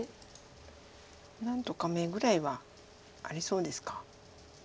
何とか眼ぐらいはありそうですか。